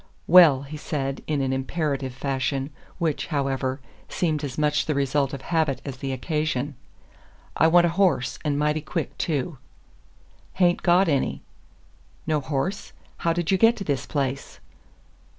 "Well," he said, in an imperative fashion, which, however, seemed as much the result of habit as the occasion, "I want a horse, and mighty quick, too." "H'ain't got any." "No horse? How did you get to this place?"